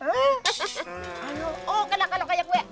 oh kenapa lu kaya gua